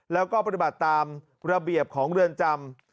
แล้วก็ปฏิบัติตามระเบียบของเรือนจำ